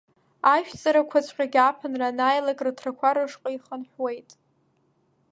Ажәҵарақәаҵәҟьагьы ааԥынра анааилак рыҭрақәа рышҟа ихынҳәуеит.